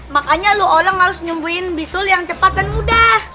makanya lo oleng harus nyembuhin bisul yang cepat dan mudah